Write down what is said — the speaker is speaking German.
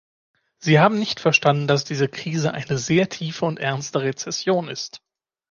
Sie haben nicht verstanden, dass diese Krise eine sehr tiefe und ernste Rezession ist.